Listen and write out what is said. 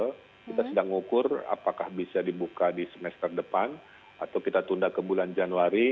kita sedang ukur apakah bisa dibuka di semester depan atau kita tunda ke bulan januari